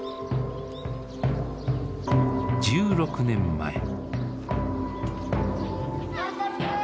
１６年前。